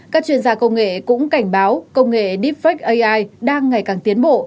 các chuyên gia công nghệ cũng cảnh báo công nghệ deepfake ai đang ngày càng tiến bộ